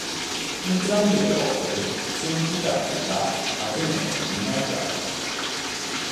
Entrambe le opere sono citate da Ateneo di Naucrati.